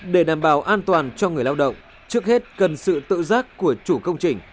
để đảm bảo an toàn cho người lao động trước hết cần sự tự giác của chủ công trình